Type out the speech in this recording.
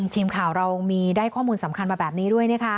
ทีมข่าวเรามีได้ข้อมูลสำคัญมาแบบนี้ด้วยนะคะ